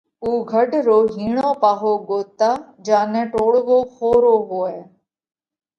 اُو گھڍ رو هِيڻو پاهو ڳوتتا جيا نئہ ٽوڙوو ۿورو هوئہ۔